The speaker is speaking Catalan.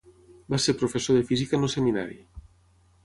Va ser professor de física en el Seminari.